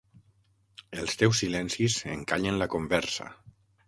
Els teus silencis encallen la conversa!